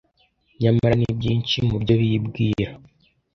nyamara nibyinshi mu byo bibwira